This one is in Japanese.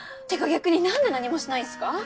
逆に何で何もしないんすか？